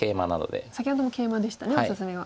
先ほどもケイマでしたねおすすめは。